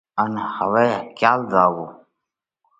ان هوَئہ ڪيال زاوَو۔